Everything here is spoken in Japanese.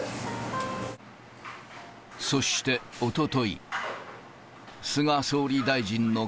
そして、おととい。